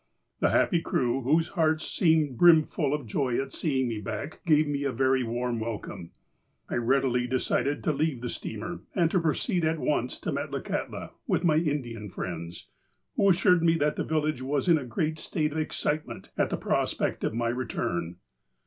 The happy crew, whose hearts seemed brimful of joy at seeing me back, gave me a very warm welcome. I readily decided to leave the steamer, and to proceed at once to Metlakahtla with my Indian friends, who assured me that the village was in a great state of excitement at the prospect of my return.